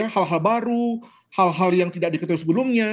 hal hal baru hal hal yang tidak diketahui sebelumnya